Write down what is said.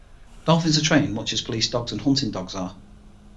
Dolphins are trained much as police dogs and hunting dogs are.